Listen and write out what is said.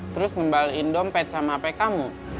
terus kembaliin dompet sama hp kamu